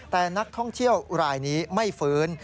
แต่นักท่องเที่ยวรายนี้ไม่ฟื้น